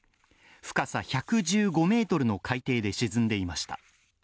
深さ１１５ｍの海底で沈んでいました。